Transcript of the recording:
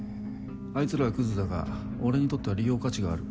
あいつらはクズだが俺にとっては利用価値がある。